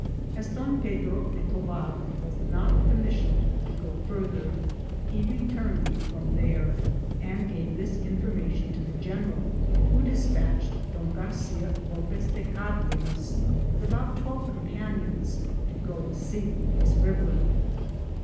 As Don Pedro de Tovax was not commis sioned to go farther, he returned from there and gave this information to the general, who dispatched Don Garcia Lopez de Carde nas with about twelve companions to go to see this river.